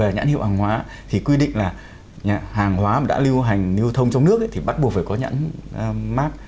nhãn hiệu hàng hóa thì quy định là hàng hóa mà đã lưu hành lưu thông trong nước thì bắt buộc phải có nhãn mát